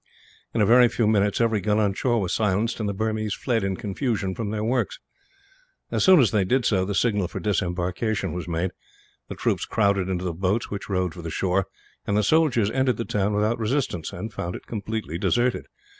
In a very few minutes, every gun on shore was silenced, and the Burmese fled in confusion from their works. As soon as they did so, the signal for disembarkation was made. The troops crowded into the boats, which rowed for the shore; and the soldiers entered the town without resistance, and found it completely deserted.